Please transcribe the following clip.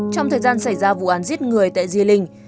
trong thời gian xảy ra vụ án giết người tại di linh